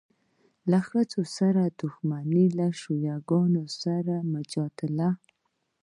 له ښځو سره دښمني، له شیعه ګانو سره مجادله.